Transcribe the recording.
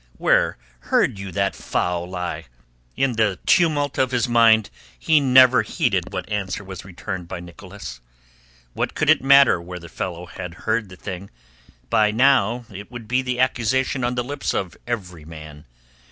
"Where heard you that foul lie?" In the tumult of his mind he never heeded what answer was returned by Nicholas. What could it matter where the fellow had heard the thing; by now it would be the accusation on the lips of every man.